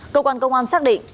cơ quan công an xác định